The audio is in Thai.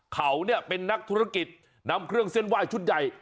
เขาเป็นนักธุรกิจนำเครื่องเส้นไหว้ชุดใหญ่